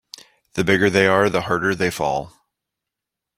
The bigger they are the harder they fall.